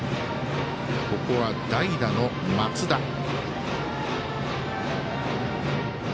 ここは代打の松田。